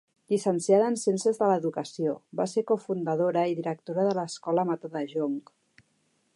Llicenciada en Ciències de l'Educació, va ser cofundadora i directora de l’escola Mata de Jonc.